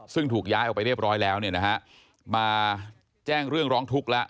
ซึ่งถูกย้ายออกไปเรียบร้อยแล้วเนี่ยนะฮะมาแจ้งเรื่องร้องทุกข์แล้ว